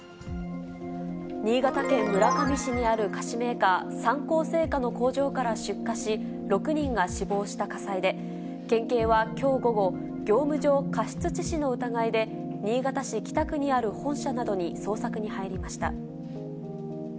新潟県村上市にある菓子メーカー、三幸製菓の工場から出火し、６人が死亡した火災で、県警はきょう午後、業務上過失致死の疑いで、新潟市北区にある本社などに捜索に入りました。